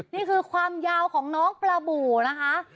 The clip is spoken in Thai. นี่คือความยาวของน้องปลาบู่นะคะ